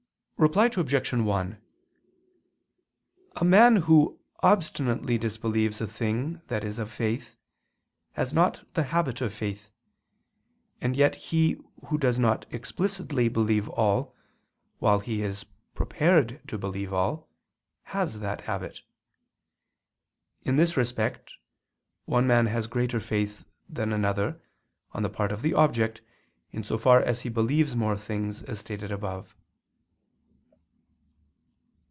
Reply Obj. 1: A man who obstinately disbelieves a thing that is of faith, has not the habit of faith, and yet he who does not explicitly believe all, while he is prepared to believe all, has that habit. In this respect, one man has greater faith than another, on the part of the object, in so far as he believes more things, as stated above.